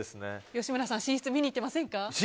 吉村さんは寝室を見に行ってませんか？